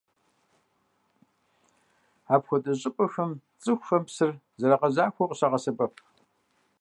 Апхуэдэ щӀыпӀэхэм цӀыхухэм псыр зрагъэзахуэу къыщагъэсэбэп.